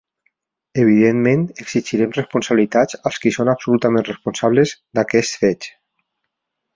Evidentment exigirem responsabilitats als qui són absolutament responsables d’aquests fets.